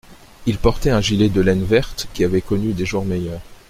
Il portait un gilet de laine verte, qui avait connu des jours meilleurs